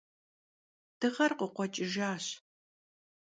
Dığer khıkhueç'ıjjaş.